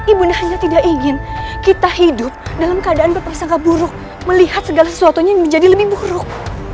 ibu nda hanya tidak ingin kita hidup dalam keadaan berperasaan keburuk melihat segala sesuatunya menjadi lebih buruk